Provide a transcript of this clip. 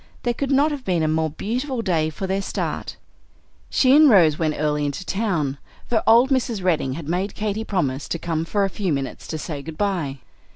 There could not have been a more beautiful day for their start. She and Rose went early into town, for old Mrs. Bedding had made Katy promise to come for a few minutes to say good by.